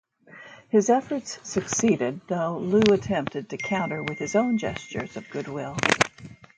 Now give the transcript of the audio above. His efforts succeeded, though Lu attempted to counter with his own gestures of goodwill.